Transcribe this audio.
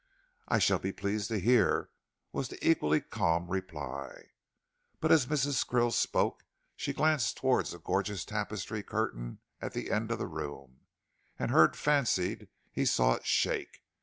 "I shall be pleased to hear," was the equally calm reply. But as Mrs. Krill spoke she glanced towards a gorgeous tapestry curtain at the end of the room, and Hurd fancied he saw it shake.